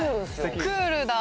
クールだ！